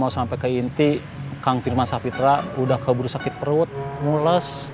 sampai ke inti kang firman sahpitra udah kabur sakit perut mulas